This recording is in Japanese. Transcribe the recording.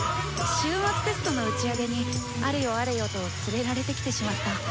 終末テストの打ち上げにあれよあれよと連れられてきてしまった。